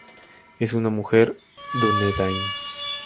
Es una mujer dúnedain.